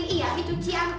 iya itu cian